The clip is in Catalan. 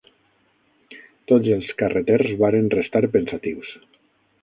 Tots els carreters varen restar pensatius.